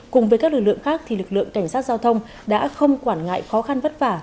cùng với các lực lượng khác thì lực lượng cảnh sát giao thông đã không quản ngại khó khăn vất vả